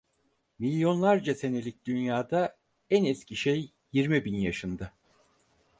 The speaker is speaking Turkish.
Milyonlarca senelik dünyada en eski şey yirmi bin yaşında…